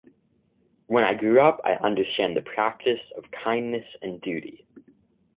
When I grew up, I understood the practice of kindness and duty.